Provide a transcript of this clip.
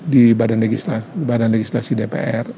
di badan legislasi dpr